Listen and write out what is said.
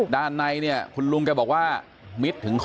ด้านในเนี่ยคุณลุงแกบอกว่ามิดถึงคอ